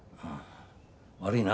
悪いな。